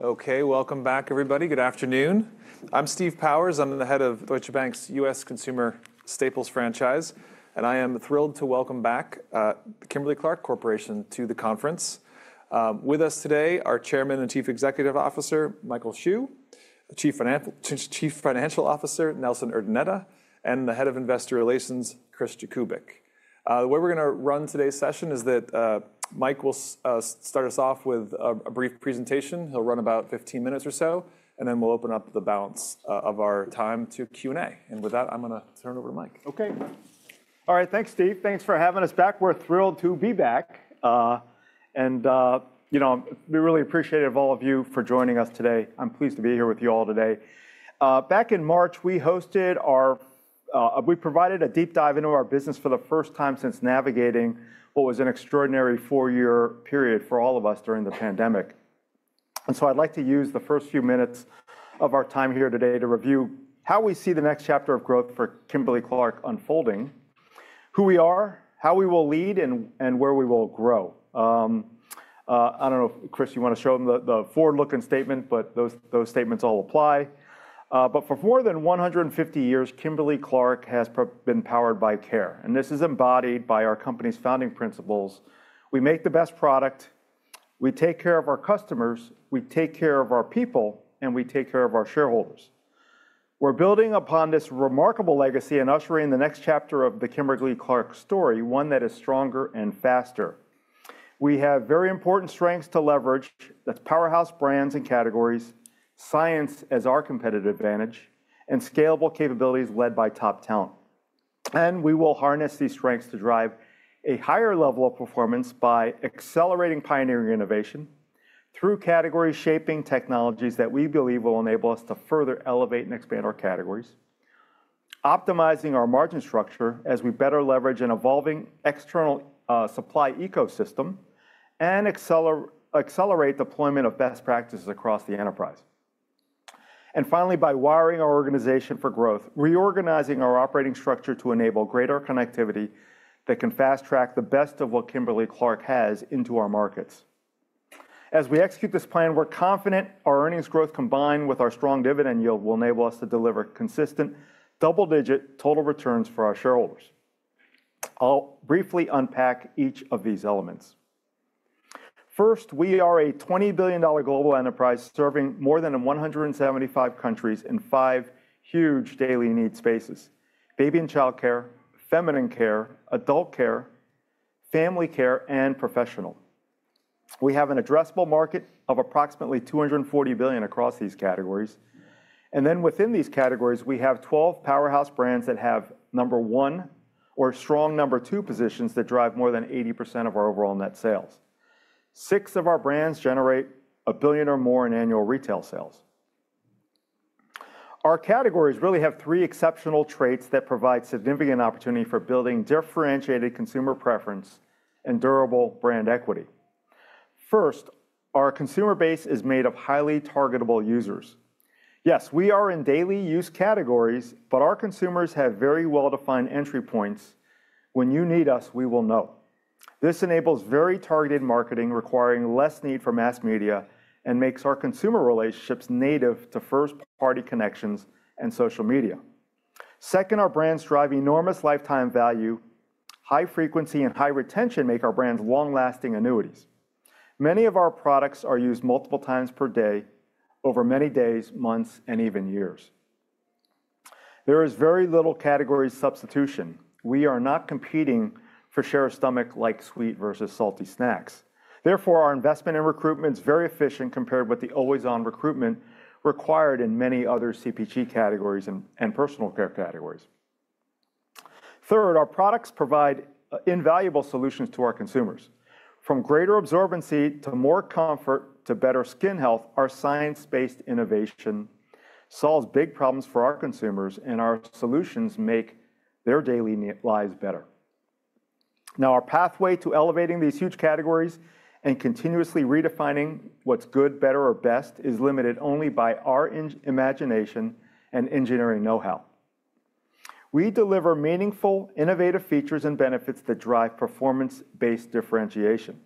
Okay, welcome back, everybody. Good afternoon. I'm Steve Powers. I'm the Head of Deutsche Bank's U.S. Consumer Staples Franchise, and I am thrilled to welcome back Kimberly-Clark Corporation to the conference. With us today, our Chairman and Chief Executive Officer, Michael Hsu, Chief Financial Officer, Nelson Urdaneta, and the Head of Investor Relations, Chris Jakubik. The way we're going to run today's session is that Mike will start us off with a brief presentation. He'll run about 15 minutes or so, and then we'll open up the balance of our time to Q&A. And with that, I'm going to turn it over to Mike. Okay. All right, thanks, Steve. Thanks for having us back. We're thrilled to be back. And, you know, we really appreciate all of you for joining us today. I'm pleased to be here with you all today. Back in March, we provided a deep dive into our business for the first time since navigating what was an extraordinary four-year period for all of us during the pandemic. And so I'd like to use the first few minutes of our time here today to review how we see the next chapter of growth for Kimberly-Clark unfolding, who we are, how we will lead, and where we will grow. I don't know if, Chris, you want to show them the forward-looking statement, but those statements all apply. But for more than 150 years, Kimberly-Clark has been powered by care, and this is embodied by our company's founding principles. We make the best product, we take care of our customers, we take care of our people, and we take care of our shareholders. We're building upon this remarkable legacy and ushering the next chapter of the Kimberly-Clark story, one that is stronger and faster. We have very important strengths to leverage. That's powerhouse brands and categories, science as our competitive advantage, and scalable capabilities led by top talent. And we will harness these strengths to drive a higher level of performance by accelerating pioneering innovation through category-shaping technologies that we believe will enable us to further elevate and expand our categories, optimizing our margin structure as we better leverage an evolving external supply ecosystem and accelerate deployment of best practices across the enterprise. And finally, by wiring our organization for growth, reorganizing our operating structure to enable greater connectivity that can fast-track the best of what Kimberly-Clark has into our markets. As we execute this plan, we're confident our earnings growth, combined with our strong dividend yield, will enable us to deliver consistent double-digit total returns for our shareholders. I'll briefly unpack each of these elements. First, we are a $20 billion global enterprise serving more than 175 countries in five huge daily need spaces: baby and childcare, feminine care, adult care, family care, and professional. We have an addressable market of approximately $240 billion across these categories, and then within these categories, we have 12 powerhouse brands that have number one or strong number two positions that drive more than 80% of our overall net sales. Six of our brands generate $1 billion or more in annual retail sales. Our categories really have three exceptional traits that provide significant opportunity for building differentiated consumer preference and durable brand equity. First, our consumer base is made of highly targetable users. Yes, we are in daily use categories, but our consumers have very well-defined entry points. When you need us, we will know. This enables very targeted marketing, requiring less need for mass media and makes our consumer relationships native to first-party connections and social media. Second, our brands drive enormous lifetime value. High frequency and high retention make our brands long-lasting annuities. Many of our products are used multiple times per day over many days, months, and even years. There is very little category substitution. We are not competing for share of stomach like sweet versus salty snacks. Therefore, our investment in recruitment is very efficient compared with the always-on recruitment required in many other CPG categories and personal care categories. Third, our products provide invaluable solutions to our consumers. From greater absorbency to more comfort to better skin health, our science-based innovation solves big problems for our consumers, and our solutions make their daily lives better. Now, our pathway to elevating these huge categories and continuously redefining what's good, better, or best is limited only by our imagination and engineering know-how. We deliver meaningful, innovative features and benefits that drive performance-based differentiation.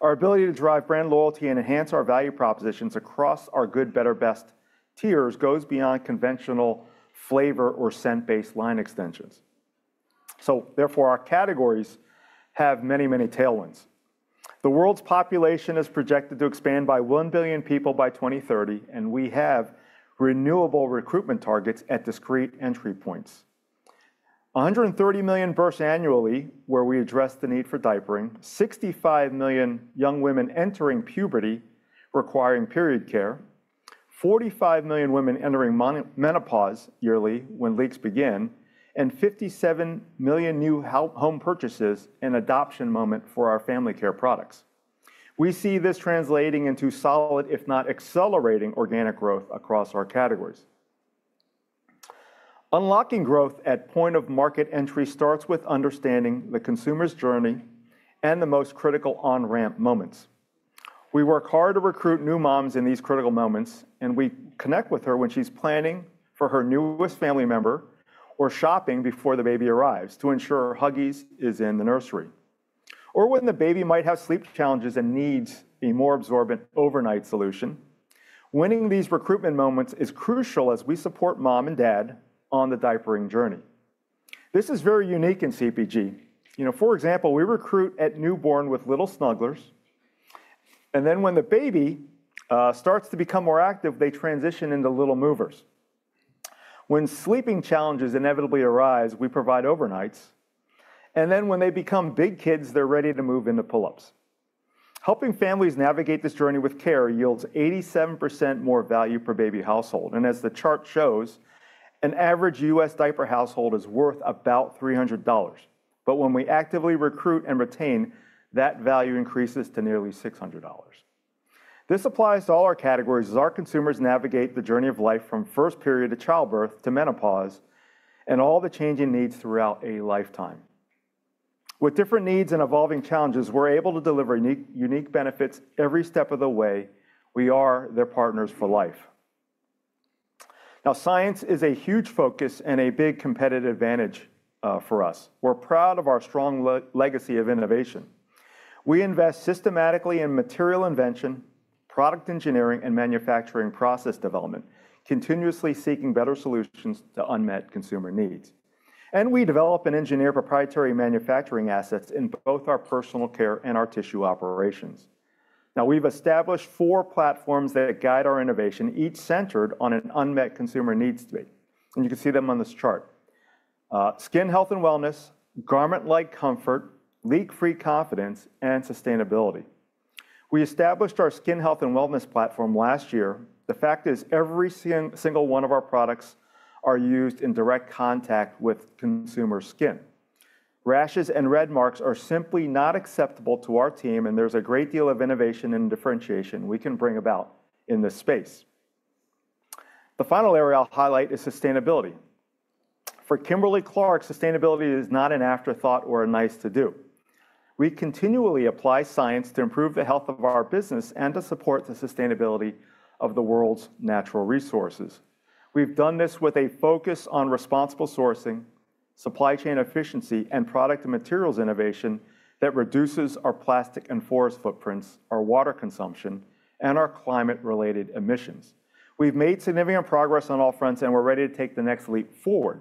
Our ability to drive brand loyalty and enhance our value propositions across our good, better, best tiers goes beyond conventional flavor or scent-based line extensions. Therefore, our categories have many, many tailwinds. The world's population is projected to expand by one billion people by 2030, and we have renewable recruitment targets at discrete entry points. 130 million births annually, where we address the need for diapering, 65 million young women entering puberty requiring period care, 45 million women entering menopause yearly when leaks begin, and 57 million new home purchases, an adoption moment for our family care products. We see this translating into solid, if not accelerating, organic growth across our categories. Unlocking growth at point of market entry starts with understanding the consumer's journey and the most critical on-ramp moments. We work hard to recruit new moms in these critical moments, and we connect with her when she's planning for her newest family member or shopping before the baby arrives to ensure Huggies is in the nursery, or when the baby might have sleep challenges and needs a more absorbent overnight solution, winning these recruitment moments is crucial as we support mom and dad on the diapering journey. This is very unique in CPG. You know, for example, we recruit at newborn with Little Snugglers, and then when the baby starts to become more active, they transition into Little Movers. When sleeping challenges inevitably arise, we provide overnights, and then when they become big kids, they're ready to move into pull-ups. Helping families navigate this journey with care yields 87% more value per baby household, and as the chart shows, an average U.S. diaper household is worth about $300. But when we actively recruit and retain, that value increases to nearly $600. This applies to all our categories as our consumers navigate the journey of life from first period of childbirth to menopause, and all the changing needs throughout a lifetime. With different needs and evolving challenges, we're able to deliver unique, unique benefits every step of the way. We are their partners for life. Now, science is a huge focus and a big competitive advantage for us. We're proud of our strong legacy of innovation. We invest systematically in material invention, product engineering, and manufacturing process development, continuously seeking better solutions to unmet consumer needs. We develop and engineer proprietary manufacturing assets in both our personal care and our tissue operations. Now, we've established four platforms that guide our innovation, each centered on an unmet consumer needs state, and you can see them on this chart: skin health and wellness, garment-like comfort, leak-free confidence, and sustainability. We established our skin health and wellness platform last year. The fact is, every single one of our products are used in direct contact with consumer skin. Rashes and red marks are simply not acceptable to our team, and there's a great deal of innovation and differentiation we can bring about in this space. The final area I'll highlight is sustainability. For Kimberly-Clark, sustainability is not an afterthought or a nice to do. We continually apply science to improve the health of our business and to support the sustainability of the world's natural resources. We've done this with a focus on responsible sourcing, supply chain efficiency, and product and materials innovation that reduces our plastic and forest footprints, our water consumption, and our climate-related emissions. We've made significant progress on all fronts, and we're ready to take the next leap forward.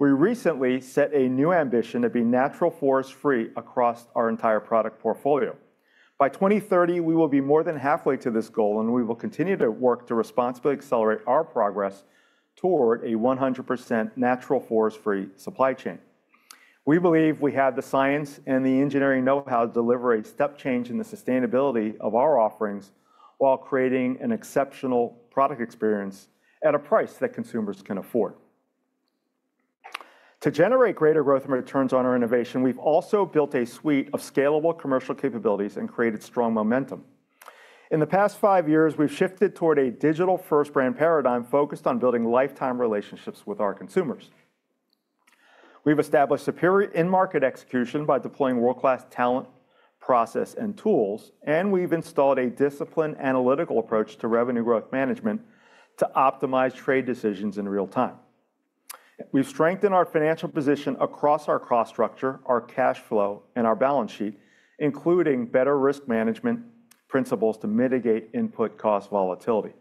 We recently set a new ambition to be natural forest-free across our entire product portfolio. By 2030, we will be more than halfway to this goal, and we will continue to work to responsibly accelerate our progress toward a 100% natural forest-free supply chain. We believe we have the science and the engineering know-how to deliver a step change in the sustainability of our offerings while creating an exceptional product experience at a price that consumers can afford. To generate greater growth and returns on our innovation, we've also built a suite of scalable commercial capabilities and created strong momentum. In the past five years, we've shifted toward a digital-first brand paradigm focused on building lifetime relationships with our consumers. We've established superior in-market execution by deploying world-class talent, process, and tools, and we've installed a disciplined analytical approach to Revenue Growth Management to optimize trade decisions in real time. We've strengthened our financial position across our cost structure, our cash flow, and our balance sheet, including better risk management principles to mitigate input cost volatility.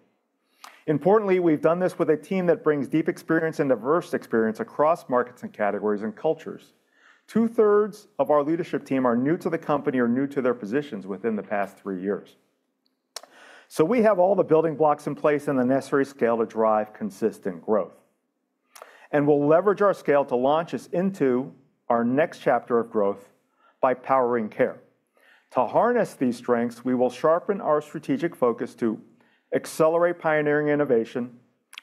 Importantly, we've done this with a team that brings deep experience and diverse experience across markets and categories and cultures. 2/3 of our leadership team are new to the company or new to their positions within the past three years. So we have all the building blocks in place and the necessary scale to drive consistent growth, and we'll leverage our scale to launch us into our next chapter of growth by powering care. To harness these strengths, we will sharpen our strategic focus to accelerate pioneering innovation,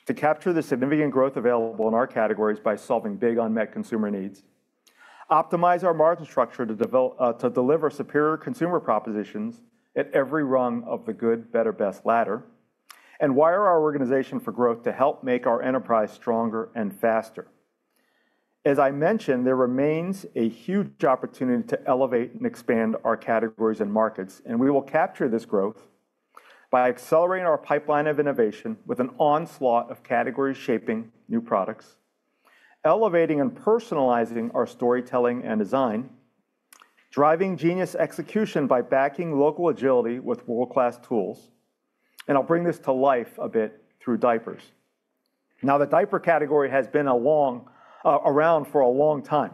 to capture the significant growth available in our categories by solving big unmet consumer needs, optimize our margin structure to deliver superior consumer propositions at every rung of the good, better, best ladder, and wire our organization for growth to help make our enterprise stronger and faster. As I mentioned, there remains a huge opportunity to Elevate and Expand our categories and markets, and we will capture this growth by accelerating our pipeline of innovation with an onslaught of category-shaping new products, elevating and personalizing our storytelling and design, driving genius execution by backing local agility with world-class tools, and I'll bring this to life a bit through diapers. Now, the diaper category has been around for a long time,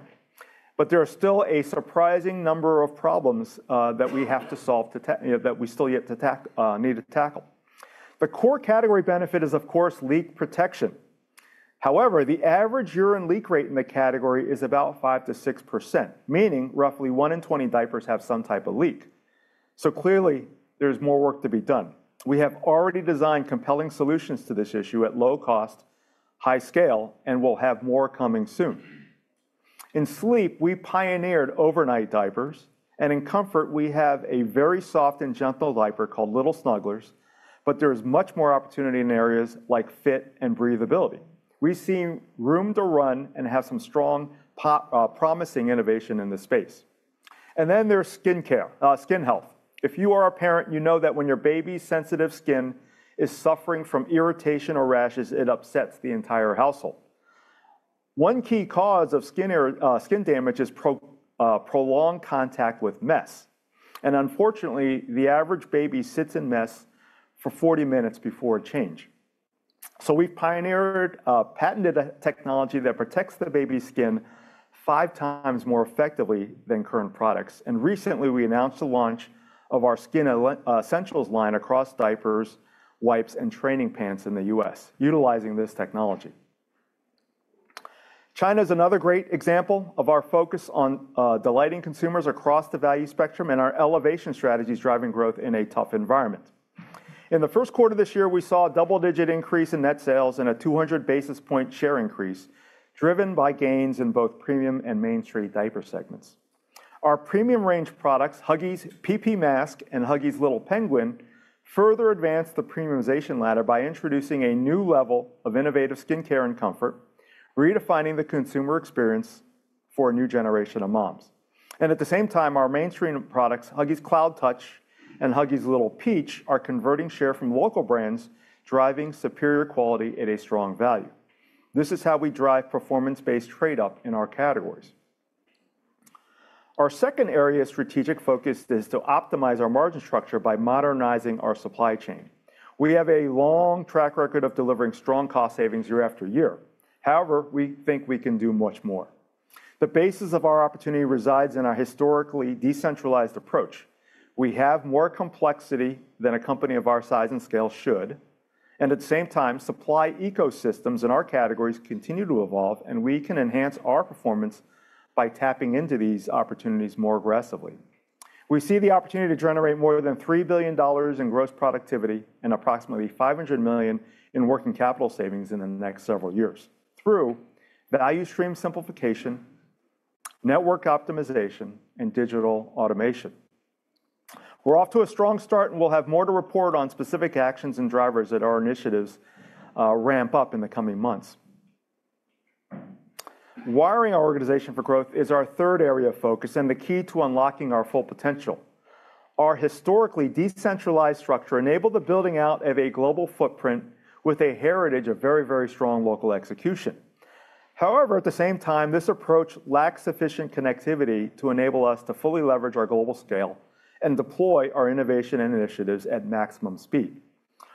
but there are still a surprising number of problems that we need to tackle. The core category benefit is, of course, leak protection. However, the average urine leak rate in the category is about 5%-6%, meaning roughly one in 20 diapers have some type of leak. So clearly, there's more work to be done. We have already designed compelling solutions to this issue at low cost, high scale, and we'll have more coming soon. In sleep, we pioneered overnight diapers, and in comfort, we have a very soft and gentle diaper called Little Snugglers, but there is much more opportunity in areas like fit and breathability. We've seen room to run and have some strong promising innovation in this space. And then there's skin care, skin health. If you are a parent, you know that when your baby's sensitive skin is suffering from irritation or rashes, it upsets the entire household, One key cause of skin damage is prolonged contact with mess. And unfortunately, the average baby sits in mess for 40 minutes before a change. So we've pioneered a patented technology that protects the baby's skin five times more effectively than current products, and recently we announced the launch of our skin essentials line across diapers, wipes, and training pants in the U.S., utilizing this technology. China is another great example of our focus on delighting consumers across the value spectrum and our elevation strategies driving growth in a tough environment. In the first quarter of this year, we saw a double-digit increase in net sales and a 200 basis point share increase, driven by gains in both premium and mainstream diaper segments. Our premium range products, Huggies PP Mask and Huggies Little Penguin, further advanced the premiumization ladder by introducing a new level of innovative skincare and comfort, redefining the consumer experience for a new generation of moms. At the same time, our mainstream products, Huggies Cloud Touch and Huggies Little Peach, are converting share from local brands, driving superior quality at a strong value. This is how we drive performance-based trade-up in our categories. Our second area of strategic focus is to optimize our margin structure by modernizing our supply chain. We have a long track record of delivering strong cost savings year after year. However, we think we can do much more. The basis of our opportunity resides in our historically decentralized approach. We have more complexity than a company of our size and scale should, and at the same time, supply ecosystems in our categories continue to evolve, and we can enhance our performance by tapping into these opportunities more aggressively. We see the opportunity to generate more than $3 billion in gross productivity and approximately $500 million in working capital savings in the next several years through Value Stream Simplification, network optimization, and digital automation. We're off to a strong start, and we'll have more to report on specific actions and drivers that our initiatives ramp up in the coming months. Wiring our organization for growth is our third area of focus and the key to unlocking our full potential. Our historically decentralized structure enabled the building out of a global footprint with a heritage of very, very strong local execution. However, at the same time, this approach lacks sufficient connectivity to enable us to fully leverage our global scale and deploy our innovation and initiatives at maximum speed.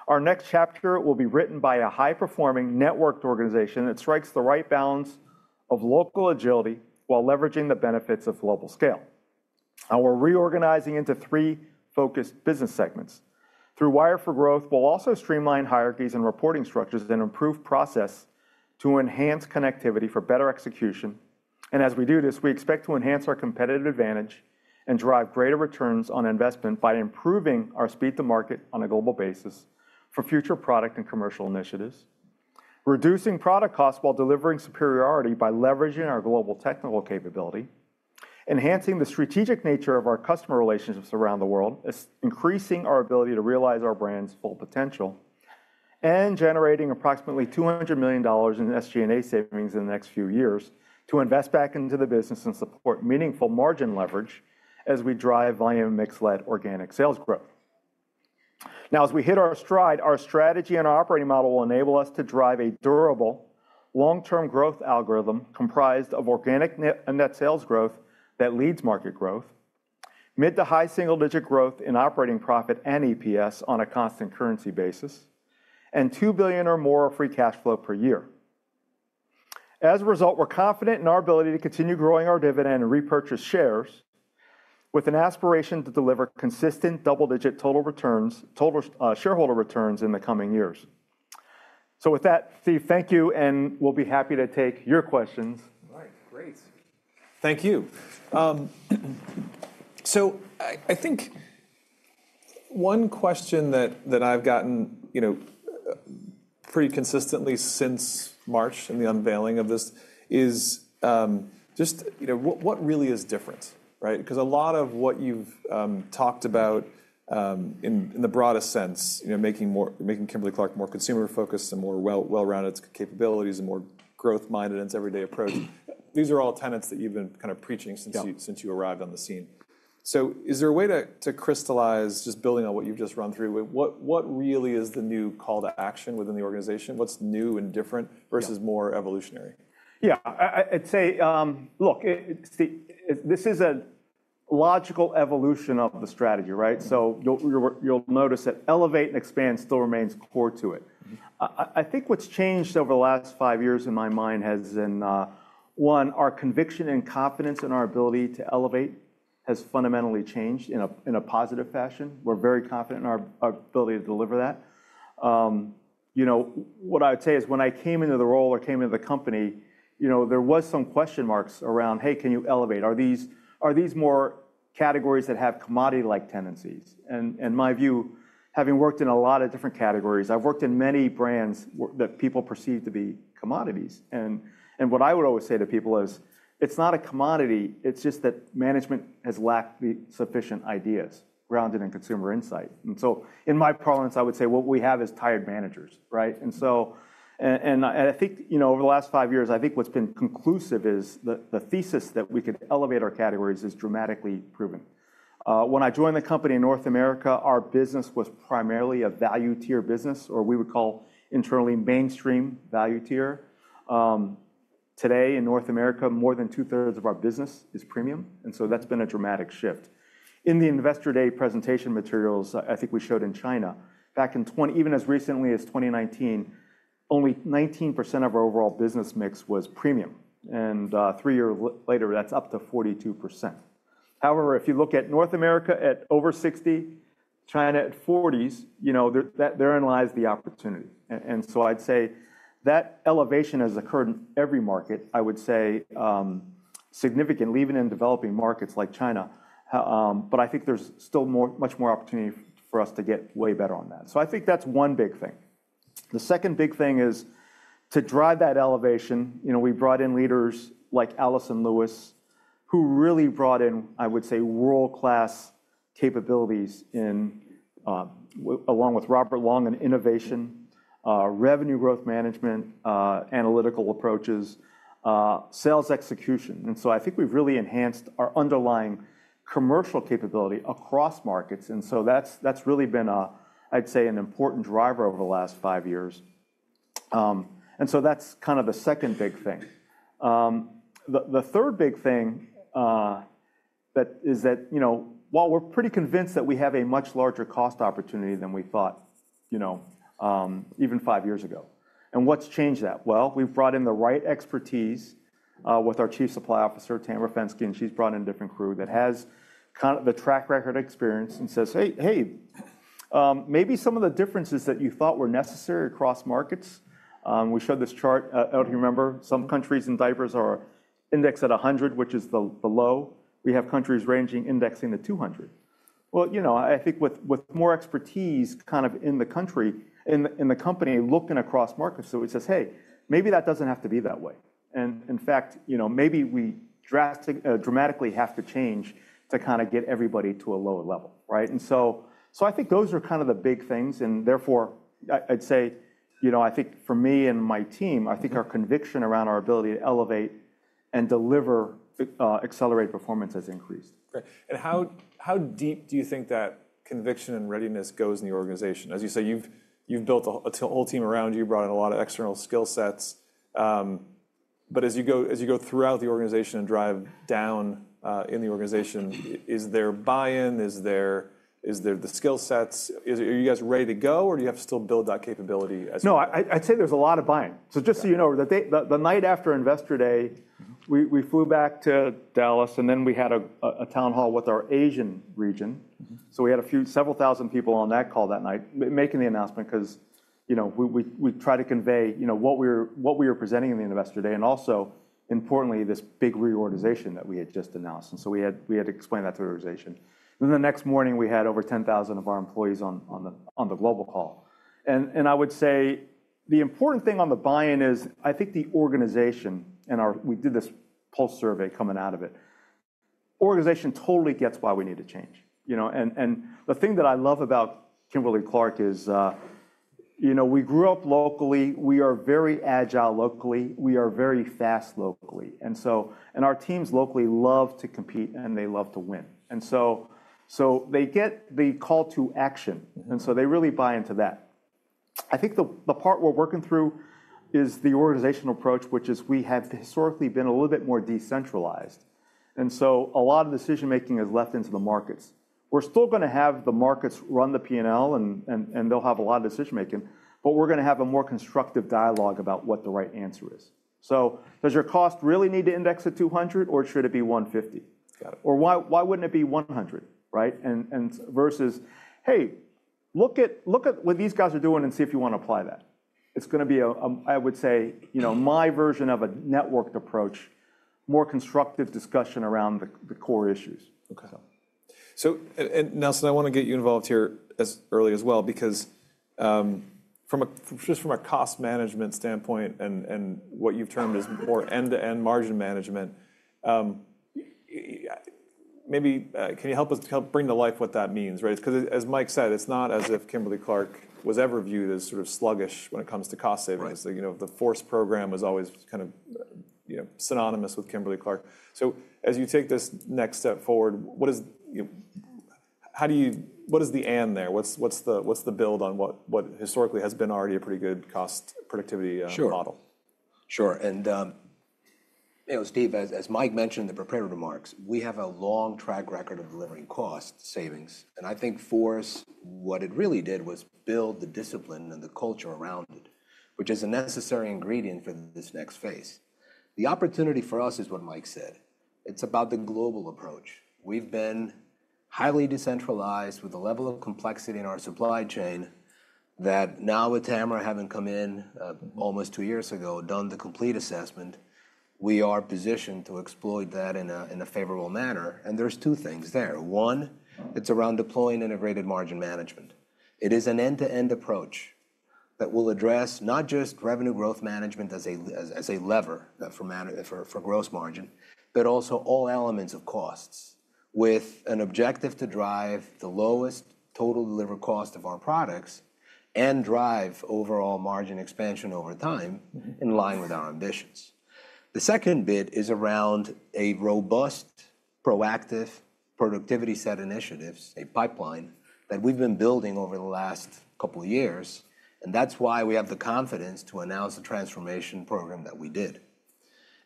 Our next chapter will be written by a high-performing, networked organization that strikes the right balance of local agility while leveraging the benefits of global scale. We're reorganizing into three focused business segments. Through Wire for Growth, we'll also streamline hierarchies and reporting structures and improve process to enhance connectivity for better execution. And as we do this, we expect to enhance our competitive advantage and drive greater returns on investment by improving our speed to market on a global basis for future product and commercial initiatives, reducing product costs while delivering superiority by leveraging our global technical capability, enhancing the strategic nature of our customer relationships around the world, increasing our ability to realize our brand's full potential, and generating approximately $200 million in SG&A savings in the next few years to invest back into the business and support meaningful margin leverage as we drive volume mix-led organic sales growth. Now, as we hit our stride, our strategy and operating model will enable us to drive a durable, long-term growth algorithm comprised of organic net and net sales growth that leads market growth, mid to high single-digit growth in operating profit and EPS on a constant currency basis, and $2 billion or more free cash flow per year. As a result, we're confident in our ability to continue growing our dividend and repurchase shares with an aspiration to deliver consistent double-digit total returns, total shareholder returns in the coming years. So with that, Steve, thank you, and we'll be happy to take your questions. All right, great. Thank you. So I think one question that I've gotten, you know, pretty consistently since March and the unveiling of this is, just, you know, what really is different, right? 'Cause a lot of what you've talked about, in the broadest sense, you know, making Kimberly-Clark more consumer-focused and more well-rounded its capabilities and more growth-minded its everyday approach, these are all tenets that you've been kind of preaching Yeah. since you arrived on the scene. So is there a way to crystallize, just building on what you've just run through, what really is the new call to action within the organization? What's new and different? Yeah. versus more evolutionary? Yeah, I'd say, look, it, Steve, this is a logical evolution of the strategy, right? So you'll notice that Elevate and Expand still remains core to it. I think what's changed over the last five years in my mind has been one, our conviction and confidence in our ability to elevate has fundamentally changed in a positive fashion. We're very confident in our ability to deliver that. You know, what I would say is when I came into the role or came into the company, you know, there was some question marks around: Hey, can you elevate? Are these more categories that have commodity-like tendencies? And my view, having worked in a lot of different categories, I've worked in many brands that people perceive to be commodities. What I would always say to people is, "It's not a commodity; it's just that management has lacked the sufficient ideas grounded in consumer insight." And so in my prowess, I would say what we have is tired managers, right? And so I think, you know, over the last five years, I think what's been conclusive is the thesis that we could elevate our categories is dramatically proven. When I joined the company in North America, our business was primarily a value tier business, or we would call internally mainstream value tier. Today, in North America, more than two-thirds of our business is premium, and so that's been a dramatic shift. In the Investor Day presentation materials, I think we showed in China, back in 2019, even as recently as 2019, only 19% of our overall business mix was premium, and three years later, that's up to 42%. However, if you look at North America at over 60, China at 40s, you know, there, therein lies the opportunity. And so I'd say that elevation has occurred in every market, I would say, significantly, even in developing markets like China. But I think there's still more, much more opportunity for us to get way better on that. So I think that's one big thing. The second big thing is to drive that elevation, you know, we brought in leaders like Allison Lewis, who really brought in, I would say, world-class capabilities in, along with Robert Long in innovation, revenue growth management, analytical approaches, sales execution, and so I think we've really enhanced our underlying commercial capability across markets, and so that's, that's really been a, I'd say, an important driver over the last five years. And so that's kind of the second big thing. The third big thing, that is that, you know, while we're pretty convinced that we have a much larger cost opportunity than we thought, you know, even five years ago. And what's changed that? Well, we've brought in the right expertise with our Chief Supply Officer, Tamara Fenske, and she's brought in a different crew that has kind of the track record experience and says, "Hey, hey, maybe some of the differences that you thought were necessary across markets." We showed this chart, I don't know if you remember, some countries in diapers are indexed at 100, which is the low. We have countries ranging indexing to 200. Well, you know, I think with, with more expertise kind of in the country, in the, in the company, looking across markets, so it says, "Hey, maybe that doesn't have to be that way," and in fact, you know, maybe we dramatically have to change to kind of get everybody to a lower level, right? So, I think those are kind of the big things, and therefore, I, I'd say, you know, I think for me and my team, I think our conviction around our ability to elevate and deliver, accelerate performance has increased. Great. And how deep do you think that conviction and readiness goes in the organization? As you say, you've built a whole team around you, brought in a lot of external skill sets, but as you go throughout the organization and drive down in the organization, is there buy-in? Is there the skill sets? Are you guys ready to go, or do you have to still build that capability as No, I'd say there's a lot of buy-in. So just so you know, the day, the night after Investor Day, we flew back to Dallas, and then we had a town hall with our Asian region. Mm-hmm. So we had several thousand people on that call that night making the announcement because, you know, we tried to convey, you know, what we were presenting in the Investor Day, and also, importantly, this big reorganization that we had just announced, and so we had to explain that to the organization. Then the next morning, we had over 10,000 of our employees on the global call, and I would say the important thing on the buy-in is I think the organization and our. We did this pulse survey coming out of it. The organization totally gets why we need to change. You know, and the thing that I love about Kimberly-Clark is, you know, we grew up locally. We are very agile locally. We are very fast locally, and so and our teams locally love to compete, and they love to win, and so, so they get the call to action, and so they really buy into that. I think the, the part we're working through is the organizational approach, which is we have historically been a little bit more decentralized, and so a lot of decision making is left into the markets. We're still gonna have the markets run the P&L, and, and, and they'll have a lot of decision making, but we're gonna have a more constructive dialogue about what the right answer is. So does your cost really need to index at 200, or should it be 150? Got it. Or why, why wouldn't it be 100, right? And versus, "Hey, look at, look at what these guys are doing and see if you want to apply that." It's gonna be a, I would say, you know, my version of a networked approach, more constructive discussion around the core issues. Okay. So, and Nelson, I want to get you involved here as early as well because, from just a cost management standpoint and, and what you've termed as more end-to-end margin management, maybe, can you help us help bring to life what that means, right? 'Cause as Mike said, it's not as if Kimberly-Clark was ever viewed as sort of sluggish when it comes to cost savings. Right. So, you know, the force program was always kind of, you know, synonymous with Kimberly-Clark. So as you take this next step forward, what is the 'and' there? What's the build on what historically has been already a pretty good cost productivity? Sure model? Sure, and, you know, Steve, as, as Mike mentioned in the prepared remarks, we have a long track record of delivering cost savings, and I think for us, what it really did was build the discipline and the culture around it, which is a necessary ingredient for this next phase. The opportunity for us is what Mike said. It's about the global approach. We've been highly decentralized with the level of complexity in our supply chain, that now with Tamara having come in, almost two years ago, done the complete assessment, we are positioned to exploit that in a, in a favorable manner, and there's two things there. One, it's around deploying integrated margin management. It is an end-to-end approach that will address not just Revenue Growth Management as a lever for gross margin, but also all elements of costs, with an objective to drive the lowest total delivered cost of our products and drive overall margin expansion over time. Mm-hmm in line with our ambitions. The second bit is around a robust proactive productivity set initiatives, a pipeline that we've been building over the last couple years, and that's why we have the confidence to announce the transformation program that we did.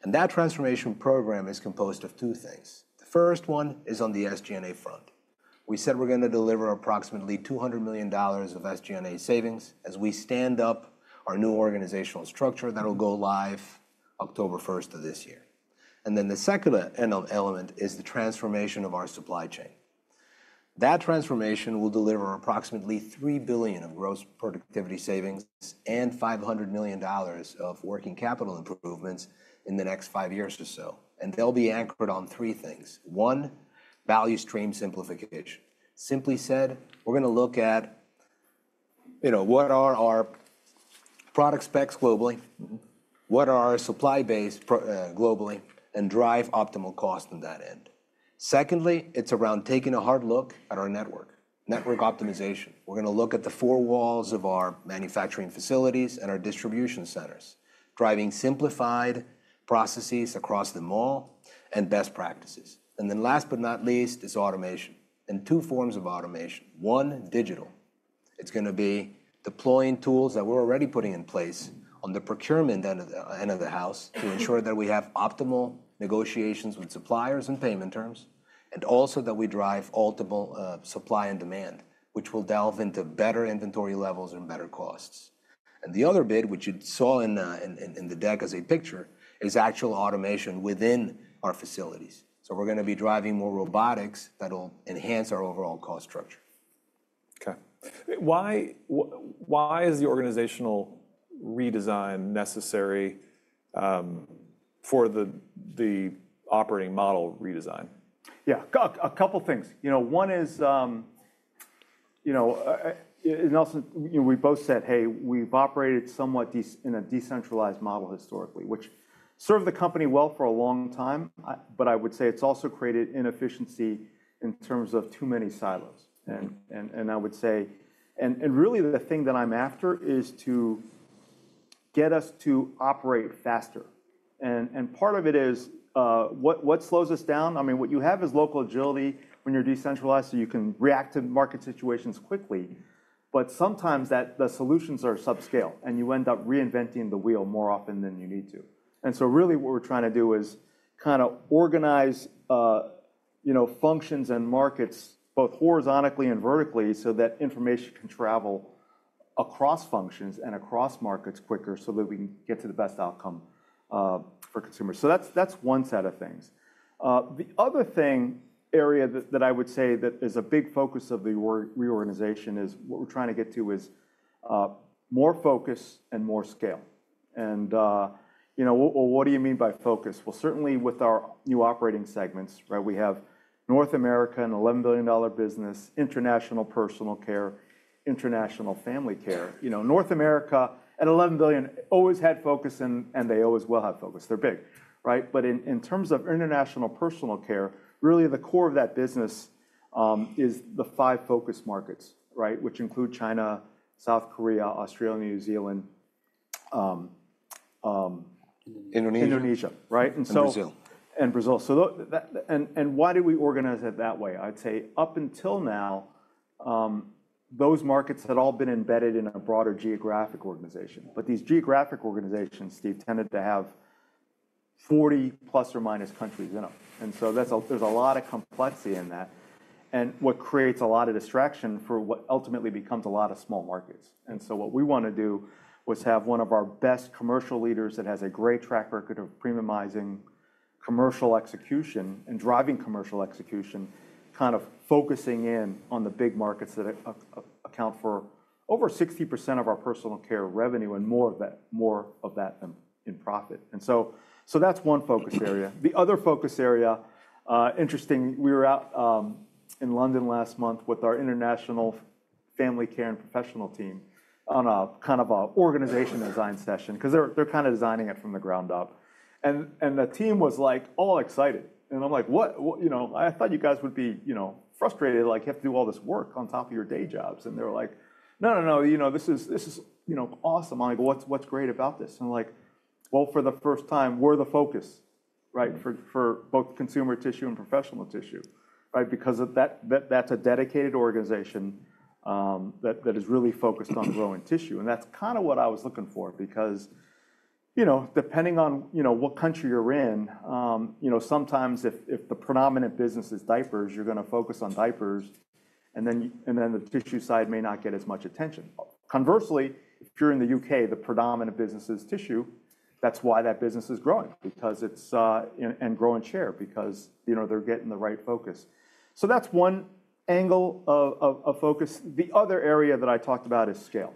And that transformation program is composed of two things: The first one is on the SG&A front. We said we're gonna deliver approximately $200 million of SG&A savings as we stand up our new organizational structure that'll go live October first of this year. And then the second element is the transformation of our supply chain. That transformation will deliver approximately $3 billion of gross productivity savings and $500 million of working capital improvements in the next five years or so, and they'll be anchored on three things. One, value stream simplification. Simply said, we're gonna look at, you know, what are our product specs globally? Mm-hmm. What are our supply base pro, globally, and drive optimal cost on that end. Secondly, it's around taking a hard look at our network, network optimization. We're gonna look at the four walls of our manufacturing facilities and our distribution centers, driving simplified processes across them all and best practices. And then last but not least, is automation, and two forms of automation. One, digital. It's gonna be deploying tools that we're already putting in place on the procurement end of the, end of the house to ensure that we have optimal negotiations with suppliers and payment terms, and also that we drive optimal, supply and demand, which will delve into better inventory levels and better costs. And the other bit, which you saw in the deck as a picture, is actual automation within our facilities. So we're gonna be driving more robotics that'll enhance our overall cost structure. Okay. Why is the organizational redesign necessary for the operating model redesign? Yeah, a couple things. You know, one is, you know, and Nelson, you know, we both said, "Hey, we've operated somewhat in a decentralized model historically, which served the company well for a long time. But I would say it's also created inefficiency in terms of too many silos." And I would say and really, the thing that I'm after is to get us to operate faster. And part of it is, what slows us down. I mean, what you have is local agility when you're decentralized, so you can react to market situations quickly. But sometimes, that the solutions are subscale, and you end up reinventing the wheel more often than you need to. And so really, what we're trying to do is kind of organize, you know, functions and markets both horizontally and vertically, so that information can travel across functions and across markets quicker, so that we can get to the best outcome, for consumers. So that's one set of things. The other thing, area that I would say that is a big focus of the reorganization is what we're trying to get to is, more focus and more scale. You know, well, what do you mean by focus? Well, certainly with our new operating segments, right? We have North America, an $11 billion business, international personal care, international family care. You know, North America, at $11 billion, always had focus, and they always will have focus. They're big, right? In terms of international personal care, really the core of that business is the five focus markets, right? Which include China, South Korea, Australia, New Zealand, Indonesia. Indonesia, right? And so And Brazil. And Brazil. So that. And why did we organize it that way? I'd say up until now, those markets had all been embedded in a broader geographic organization. But these geographic organizations, Steve, tended to have 40 ± countries in them. And so there's a lot of complexity in that, and what creates a lot of distraction for what ultimately becomes a lot of small markets. And so what we wanna do is have one of our best commercial leaders that has a great track record of premiumizing commercial execution and driving commercial execution, kind of focusing in on the big markets that account for over 60% of our personal care revenue, and more of that, more of that in profit. And so that's one focus area. The other focus area, interesting, we were out in London last month with our international family care and professional team on a kind of organization design session, 'cause they're kind of designing it from the ground up. And the team was, like, all excited. And I'm like: "What? What? You know, I thought you guys would be, you know, frustrated, like you have to do all this work on top of your day jobs." And they were like, "No, no, no, you know, this is, this is, you know, awesome." I'm like: "What's, what's great about this?" And they're like, "Well, for the first time, we're the focus, right, for both consumer tissue and professional tissue." Right, because of that, that's a dedicated organization that is really focused on growing tissue. And that's kind of what I was looking for because, you know, depending on, you know, what country you're in, you know, sometimes if the predominant business is diapers, you're gonna focus on diapers, and then the tissue side may not get as much attention. Conversely, if you're in the UK, the predominant business is tissue. That's why that business is growing, because it's and growing share, because, you know, they're getting the right focus. So that's one angle of focus. The other area that I talked about is scale.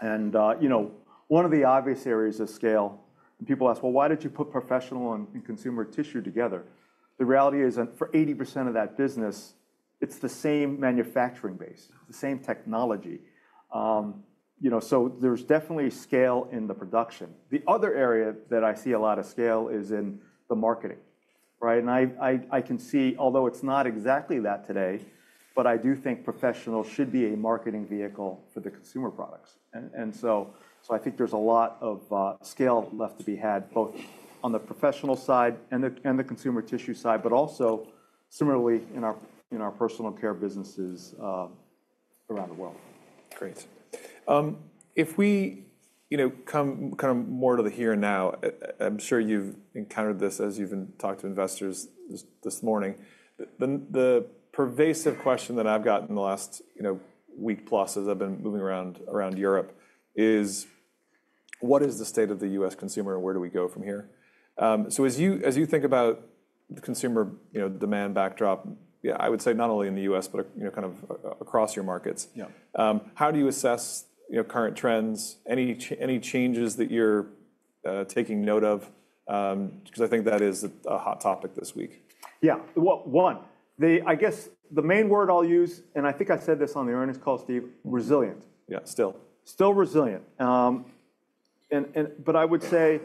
And, you know, one of the obvious areas of scale, and people ask: "Well, why did you put professional and consumer tissue together?" The reality is, that for 80% of that business, it's the same manufacturing base, the same technology. You know, so there's definitely scale in the production. The other area that I see a lot of scale is in the marketing, right? And I can see, although it's not exactly that today, but I do think professional should be a marketing vehicle for the consumer products. And so I think there's a lot of scale left to be had, both on the professional side and the consumer tissue side, but also similarly in our personal care businesses around the world. Great. If we, you know, come more to the here and now, I'm sure you've encountered this as you've been talking to investors this morning. The pervasive question that I've gotten in the last, you know, week plus as I've been moving around Europe is: what is the state of the U.S. consumer, and where do we go from here? So as you think about the consumer, you know, demand backdrop, yeah, I would say not only in the U.S., but, you know, kind of across your markets- Yeah. How do you assess, you know, current trends? Any changes that you're taking note of? 'Cause I think that is a hot topic this week. Yeah. Well, one, I guess the main word I'll use, and I think I said this on the earnings call, Steve: resilient. Yeah, still. Still resilient. But I would say,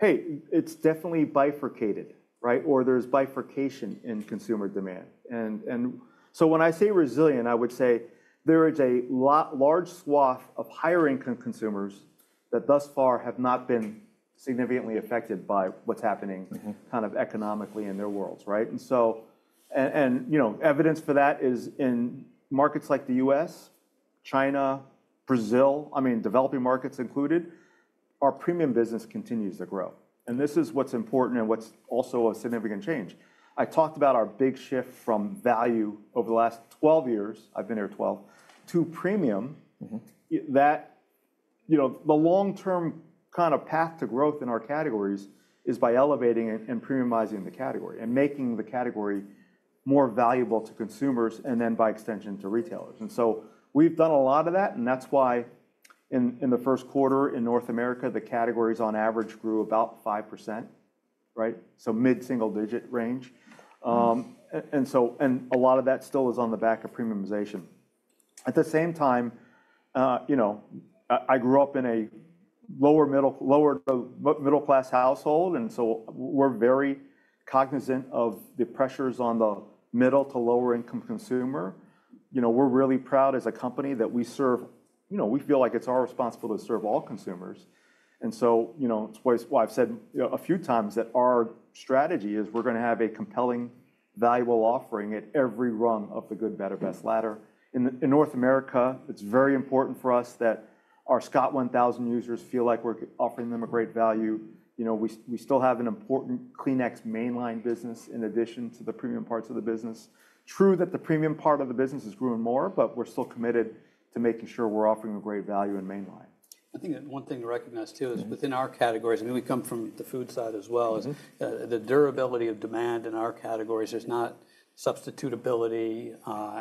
hey, it's definitely bifurcated, right? Or there's bifurcation in consumer demand. And so when I say resilient, I would say there is a large swath of higher income consumers that thus far have not been significantly affected by what's happening- Mm-hmm kind of economically in their worlds, right? And so, you know, evidence for that is in markets like the U.S., China, Brazil, I mean, developing markets included, our premium business continues to grow, and this is what's important and what's also a significant change. I talked about our big shift from value over the last 12 years, I've been here 12, to premium. Mm-hmm. That, you know, the long-term kind of path to growth in our categories is by elevating and premiumizing the category, and making the category more valuable to consumers and then, by extension, to retailers. And so we've done a lot of that, and that's why in the first quarter in North America, the categories on average grew about 5%, right? So mid-single-digit range. And a lot of that still is on the back of premiumization. At the same time, you know, I grew up in a lower middle-class household, and so we're very cognizant of the pressures on the middle to lower income consumer. You know, we're really proud as a company that we serve, You know, we feel like it's our responsibility to serve all consumers. And so, you know, it's why I've said, you know, a few times that our strategy is we're gonna have a compelling, valuable offering at every rung of the good, better, best ladder. In North America, it's very important for us that our Scott 1,000 users feel like we're offering them a great value. You know, we still have an important Kleenex mainline business in addition to the premium parts of the business. True that the premium part of the business is growing more, but we're still committed to making sure we're offering a great value in mainline. I think that one thing to recognize, too Mm-hmm is within our categories, and we come from the food side as well- Mm-hmm the durability of demand in our categories, there's not substitutability,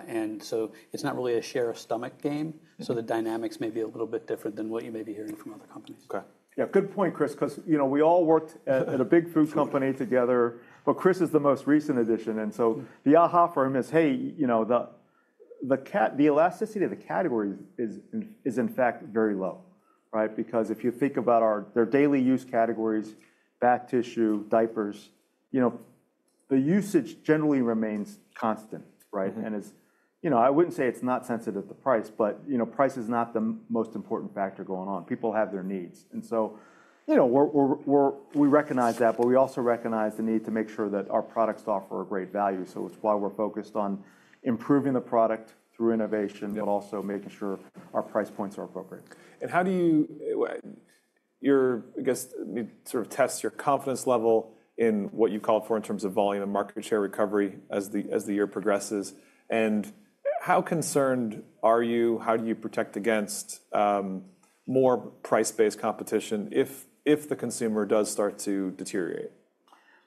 and so it's not really a share-of-stomach game. Mm-hmm. The dynamics may be a little bit different than what you may be hearing from other companies. Okay. Yeah, good point, Chris, 'cause, you know, we all worked at a big food company together- Sure. Chris is the most recent addition, and so the aha for him is, hey, you know, the elasticity of the category is in fact very low, right? Because if you think about our. They're daily-use categories: bath tissue, diapers. You know, the usage generally remains constant, right? Mm-hmm. And it's, you know, I wouldn't say it's not sensitive to price, but, you know, price is not the most important factor going on. People have their needs. And so, you know, we recognize that, but we also recognize the need to make sure that our products offer a great value. So it's why we're focused on improving the product through innovation. Yeah but also making sure our price points are appropriate. And how do you, I guess, you sort of test your confidence level in what you call for in terms of volume and market share recovery as the year progresses. And how concerned are you, how do you protect against more price-based competition if the consumer does start to deteriorate?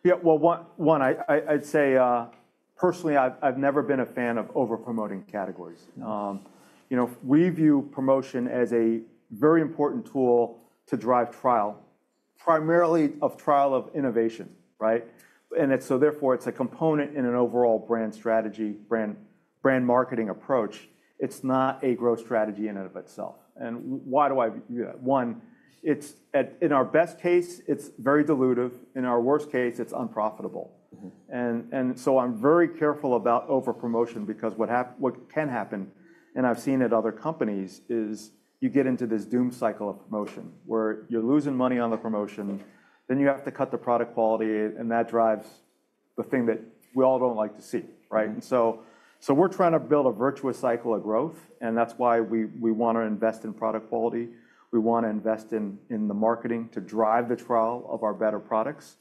Yeah, well, I'd say, personally, I've never been a fan of over-promoting categories. Mm-hmm. You know, we view promotion as a very important tool to drive trial, primarily a trial of innovation, right? And so therefore, it's a component in an overall brand strategy, brand, brand marketing approach. It's not a growth strategy in and of itself. And why do I view that? One, it's in our best case, it's very dilutive, in our worst case, it's unprofitable. Mm-hmm. So I'm very careful about over-promotion because what can happen, and I've seen at other companies, is you get into this doom cycle of promotion, where you're losing money on the promotion, then you have to cut the product quality, and that drives the thing that we all don't like to see, right? Mm-hmm. So we're trying to build a virtuous cycle of growth, and that's why we want to invest in product quality. We want to invest in the marketing to drive the trial of our better products.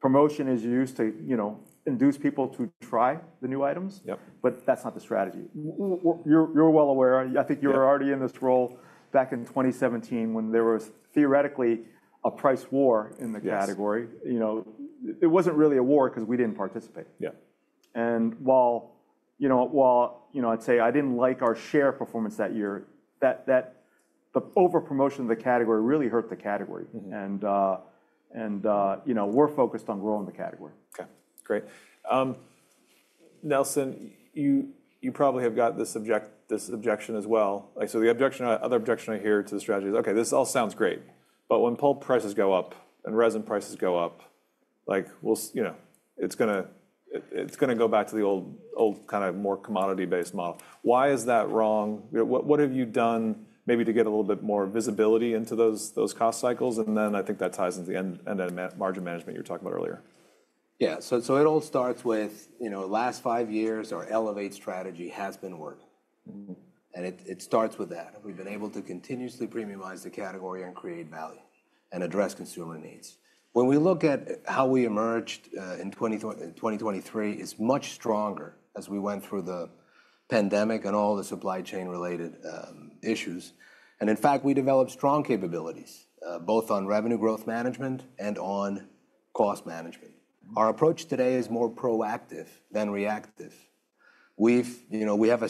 Promotion is used to, you know, induce people to try the new items Yep but that's not the strategy. You're, you're well aware, I think you- Yeah were already in this role back in 2017, when there was theoretically a price war in the category. Yes. You know, it wasn't really a war 'cause we didn't participate. Yeah. While, you know, I'd say I didn't like our share performance that year, that the over-promotion of the category really hurt the category. Mm-hmm. You know, we're focused on growing the category. Okay, great. Nelson, you, you probably have got this objection as well. Like, so the objection, other objection I hear to the strategy is: "Okay, this all sounds great, but when pulp prices go up and resin prices go up, like, we'll you know, it's gonna go back to the old, old kind of more commodity-based model." Why is that wrong? You know, what, what have you done maybe to get a little bit more visibility into those, those cost cycles? And then I think that ties into the end-end margin management you were talking about earlier. Yeah, so, so it all starts with, you know, last five years, our Elevate strategy has been working. Mm-hmm. It starts with that. We've been able to continuously premiumize the category and create value and address consumer needs. When we look at how we emerged in 2023, it's much stronger as we went through the pandemic and all the supply chain related issues. And in fact, we developed strong capabilities both on revenue growth management and on cost management. Our approach today is more proactive than reactive. We've, you know, we have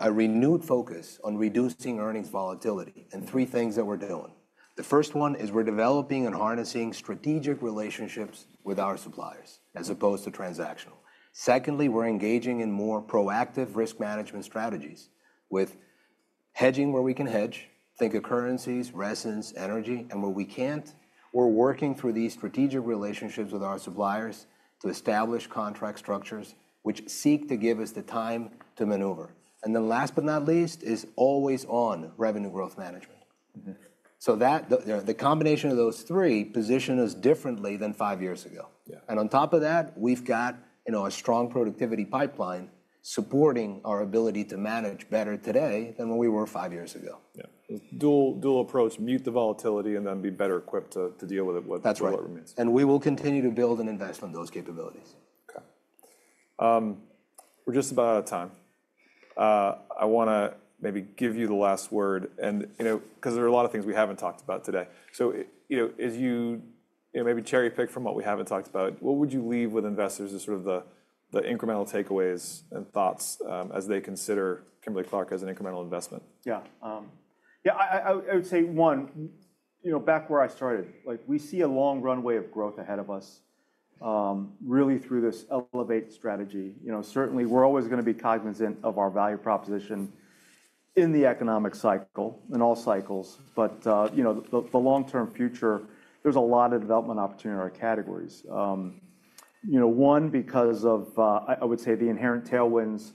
a renewed focus on reducing earnings volatility, and three things that we're doing. The first one is we're developing and harnessing strategic relationships with our suppliers, as opposed to transactional. Secondly, we're engaging in more proactive risk management strategies, with hedging where we can hedge, think of currencies, resins, energy, and where we can't, we're working through these strategic relationships with our suppliers to establish contract structures, which seek to give us the time to maneuver. And then last but not least, is always on Revenue Growth Management. Mm-hmm. So that, the combination of those three position us differently than five years ago. Yeah. On top of that, we've got, you know, a strong productivity pipeline supporting our ability to manage better today than we were five years ago. Yeah. Dual, dual approach, mute the volatility, and then be better equipped to deal with it with- That's right. What remains. We will continue to build and invest on those capabilities. Okay. We're just about out of time. I wanna maybe give you the last word, and, you know, 'cause there are a lot of things we haven't talked about today. So, you know, as you, you know, maybe cherry-pick from what we haven't talked about, what would you leave with investors as sort of the, the incremental takeaways and thoughts, as they consider Kimberly-Clark as an incremental investment? Yeah, yeah, I would say, one, you know, back where I started, like, we see a long runway of growth ahead of us, really through this Elevate strategy. You know, certainly, we're always gonna be cognizant of our value proposition in the economic cycle, in all cycles, but, you know, the long-term future, there's a lot of development opportunity in our categories. You know, one, because of, I would say, the inherent tailwinds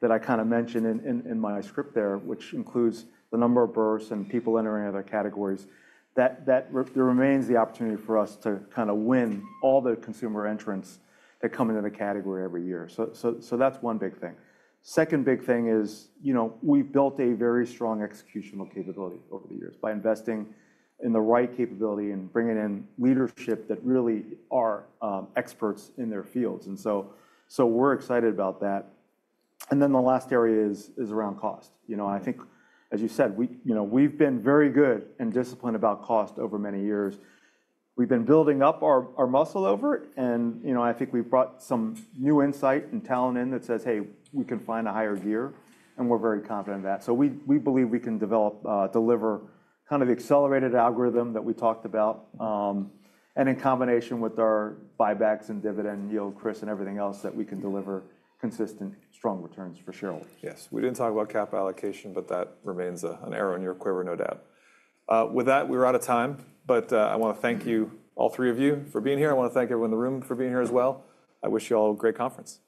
that I kind of mentioned in my script there, which includes the number of births and people entering other categories, that there remains the opportunity for us to kind of win all the consumer entrants that come into the category every year. So that's one big thing. Second big thing is, you know, we've built a very strong executional capability over the years by investing in the right capability and bringing in leadership that really are experts in their fields. And so, so we're excited about that. And then the last area is around cost. You know, I think, as you said, we, you know, we've been very good and disciplined about cost over many years. We've been building up our muscle over it, and, you know, I think we've brought some new insight and talent in that says, "Hey, we can find a higher gear," and we're very confident in that. So we, we believe we can develop, deliver kind of the accelerated algorithm that we talked about, and in combination with our buybacks and dividend yield, Chris, and everything else, that we can deliver consistent, strong returns for shareholders. Yes, we didn't talk about cap allocation, but that remains an arrow in your quiver, no doubt. With that, we're out of time, but I wanna thank you, all three of you, for being here. I wanna thank everyone in the room for being here as well. I wish you all a great conference.